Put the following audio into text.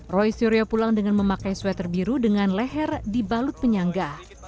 roy suryo pulang dengan memakai sweater biru dengan leher dibalut penyangga